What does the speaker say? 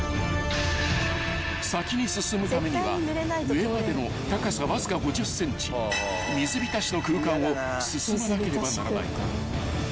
［先に進むためには上までの高さわずか５０ｃｍ水浸しの空間を進まなければならない］